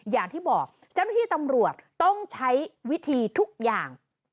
อย่างที่เจ้าหน้าที่ตำรวจต้องใช้วิธีทุกอย่าง